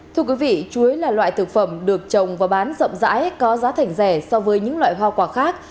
thưa quý vị chuối là loại thực phẩm được trồng và bán rộng rãi có giá thành rẻ so với những loại hoa quả khác